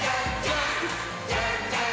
「じゃんじゃん！